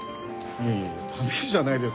いやいや駄目じゃないですけど。